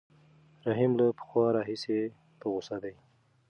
رحیم له پخوا راهیسې په غوسه دی.